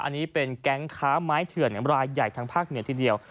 อันนี้เป็นแก๊งค้าไม้เถื่อนรายใหญ่ทางภาคเหนือทีเดียว